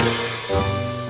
sampai jumpa lagi